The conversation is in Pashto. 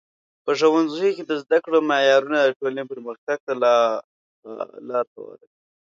په ښوونځیو کې د زده کړو معیارونه د ټولنې پرمختګ ته لار هواروي.